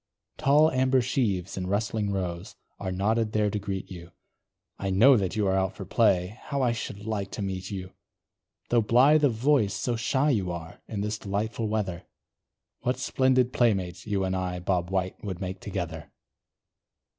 Tall amber sheaves, in rustling rows, Are nodded there to greet you, I know that you are out for play How I should like to meet you! Though blithe of voice, so shy you are, In this delightful weather; What splendid playmates, you and I, Bob White, would make together.